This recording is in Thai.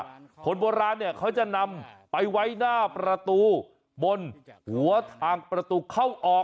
คนโบราณเนี่ยเขาจะนำไปไว้หน้าประตูบนหัวทางประตูเข้าออก